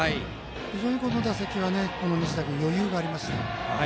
非常にこの打席、西田君余裕がありました。